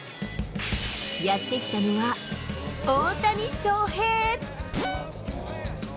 やって来たのは、大谷翔平。